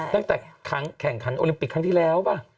ตั้งแต่แข่งขันโอลิมปิกครั้งที่แล้วป่ะ